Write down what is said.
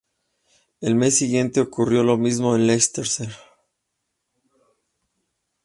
El mes siguiente, ocurrió lo mismo en Leicester.